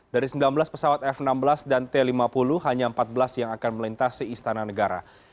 dari sembilan belas pesawat f enam belas dan t lima puluh hanya empat belas yang akan melintasi istana negara